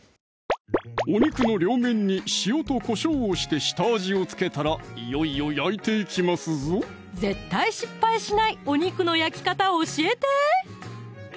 お肉の両面に塩とこしょうをして下味を付けたらいよいよ焼いていきますぞ絶対失敗しないお肉の焼き方教えて！